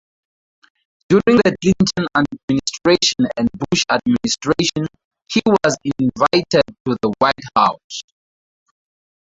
During the Clinton administration and Bush administration, he was invited to the White House.